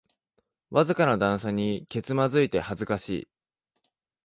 わずかな段差にけつまずいて恥ずかしい